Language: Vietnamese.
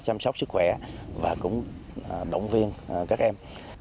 chăm sóc sức khỏe và cũng động viên các em